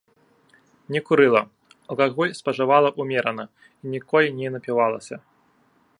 Не курыла, алкаголь спажывала ўмерана і ніколі не напівалася.